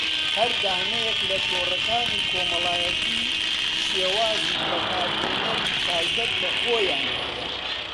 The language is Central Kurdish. هەر دانەیەک لە تۆڕەکانی کۆمەڵایەتی شێواز و بەکارهێنەری تایبەت بەخۆیان هەیە